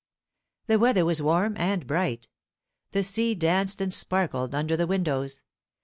The weather was warm and bright. The sea danced and sparkled under the windows.